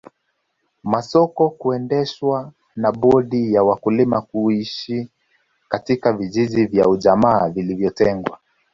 Masoko kuendeshwa na bodi na wakulima kuishi katika vijiji vya ujamaa vilivyotengwa